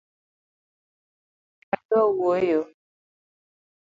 Aol ok adua wuoyo